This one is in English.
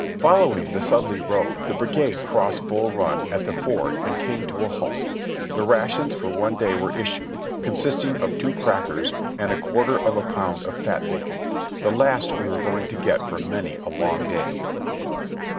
Following the Sudley road the brigade crossed Bull Run at the ford and came to a halt, and rations for one day were issued, consisting of two crackers and a quarter of a pound of fat bacon, the last we were going to get for many a long day.